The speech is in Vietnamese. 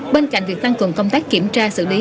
bên cạnh việc tăng cường công tác kiểm tra xử lý